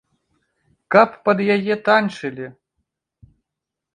Каб пад яе танчылі!